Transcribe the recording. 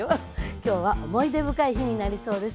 今日は思い出深い日になりそうです。